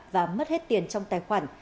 và mất hết tiền trong tài khoản